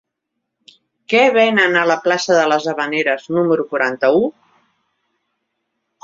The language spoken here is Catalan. Què venen a la plaça de les Havaneres número quaranta-u?